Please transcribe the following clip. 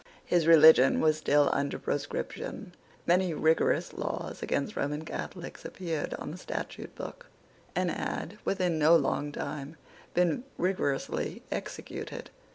His religion was still under proscription. Many rigorous laws against Roman Catholics appeared on the Statute Book, and had, within no long time, been rigorously executed.